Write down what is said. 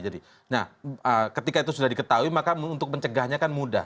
jadi ketika itu sudah diketahui maka untuk mencegahnya kan mudah